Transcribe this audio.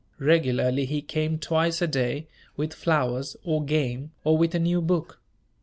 Regularly he came twice a day, with flowers, or game, or with a new book.